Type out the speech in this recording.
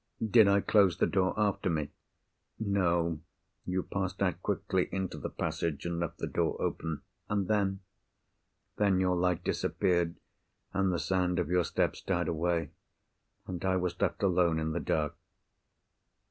"Did I close the door after me?" "No. You passed out quickly into the passage, and left the door open." "And then?" "Then, your light disappeared, and the sound of your steps died away, and I was left alone in the dark."